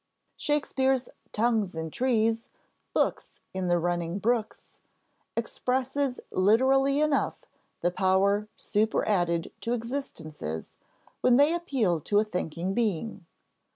Shakespeare's "tongues in trees, books in the running brooks," expresses literally enough the power superadded to existences when they appeal to a thinking being.